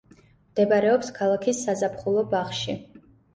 მდებარეობს ქალაქის საზაფხულო ბაღში.